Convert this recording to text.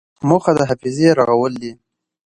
موخه د حافظې رغول دي.